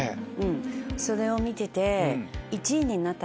それを見てて。